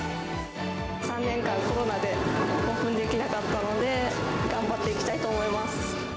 ３年間、コロナでオープンできなかったので、頑張っていきたいと思います。